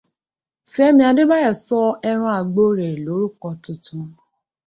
Fémi Adébáyọ̀ sọ ẹ̀ran àgbò rẹ̀ lórúkọ tuntun.